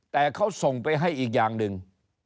แต่เขาส่งไปให้อีกอย่างหนึ่ง